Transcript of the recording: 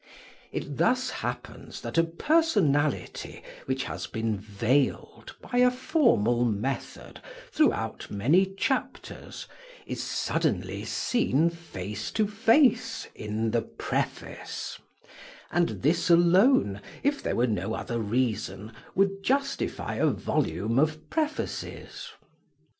It thus happens that a personality which has been veiled by a formal method throughout many chapters, is suddenly seen face to face in the Preface; and this alone, if there were no other reason, would justify a volume of Prefaces.